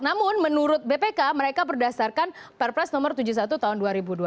namun menurut bpk mereka berdasarkan perpres nomor tujuh puluh satu tahun dua ribu dua puluh